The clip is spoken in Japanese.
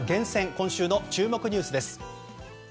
今週の注目ニュースです。